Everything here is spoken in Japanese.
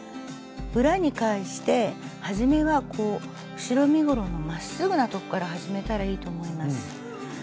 裏に返してはじめは後ろ身ごろのまっすぐな所から始めたらいいと思います。